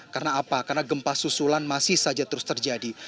karena gempa susulan masih saja terus terjadi